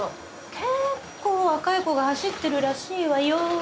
結構若い子が走ってるらしいわよ。